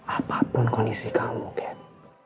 apapun kondisi kamu cat